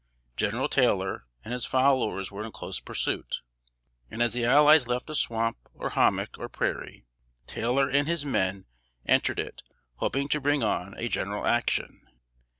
General Taylor and his followers were in close pursuit; and as the allies left a swamp, or hommock, or prairie, Taylor and his men entered it, hoping to bring on a general action.